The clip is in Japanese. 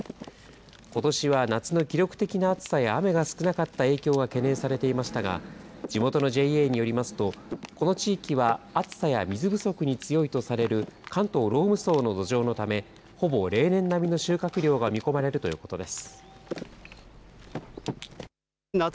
ことしは夏の記録的な暑さや雨が少なかった影響が懸念されていましたが、地元のＪＡによりますと、この地域は、暑さや水不足に強いとされる関東ローム層の土壌のため、ほぼ例年並みの収穫量が見込まれるということです。